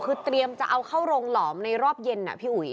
คือเตรียมจะเอาเข้าโรงหลอมในรอบเย็นพี่อุ๋ย